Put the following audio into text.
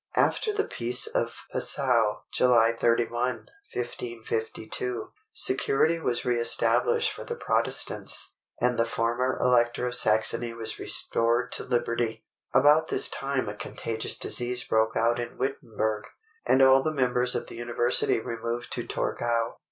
After the peace of Passau (July 31, 1552), security was re established for the Protestants, and the former elector of Saxony was restored to liberty. About this time a contagious disease broke out in Wittenberg, and all the members of the University removed to Torgau.